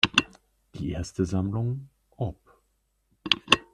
Die erste Sammlung op.